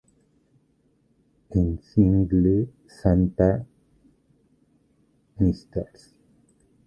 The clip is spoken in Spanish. En "Single Santa Mrs.